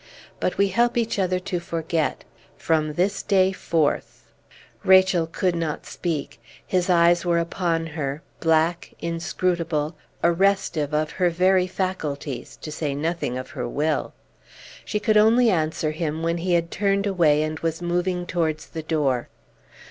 But we help each other to forget from this day forth!" Rachel could not speak; his eyes were upon her, black, inscrutable, arrestive of her very faculties, to say nothing of her will. She could only answer him when he had turned away and was moving towards the door.